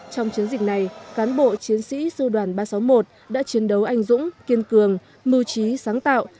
trong chiến dịch này cán bộ chiến sĩ sư đoàn ba trăm sáu mươi một đã chiến đấu anh dũng kiên cường mưu trí sáng tạo